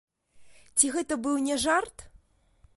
Ці гэта быў не жарт?